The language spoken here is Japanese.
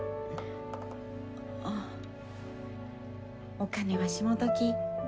お金はしもとき。